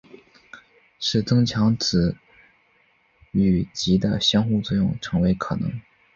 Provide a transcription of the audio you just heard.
使增强子与及的相互作用成为可能。